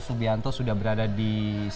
subianto sudah berada di